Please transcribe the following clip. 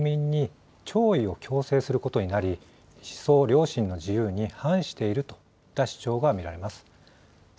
また、国葬を行うことで、国が国民に弔意を強制することになり、思想、良心の自由に反しているといった主張が見られます。